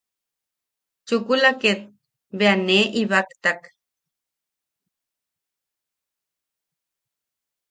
Chukula ket bea nee ibaktak.